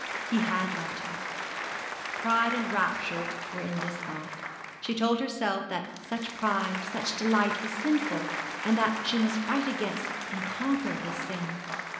He had loved her! Pride and rapture were in the thought. She told herself that such pride, such delight was sinful, and that she must fight against and conquer this sin.